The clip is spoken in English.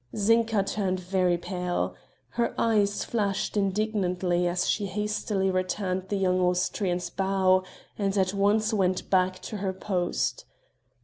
Zinka turned very pale, her eyes flashed indignantly as she hastily returned the young Austrians' bow and at once went back to her post.